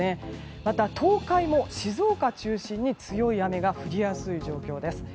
また、東海も静岡中心に強い雨が降りやすい状況です。